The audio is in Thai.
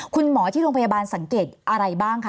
คุณหมอที่โรงพยาบาลสังเกตอะไรบ้างคะ